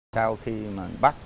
sau khi mà bắt